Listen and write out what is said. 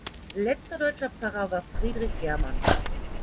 Letzter deutscher Pfarrer war "Friedrich Gehrmann".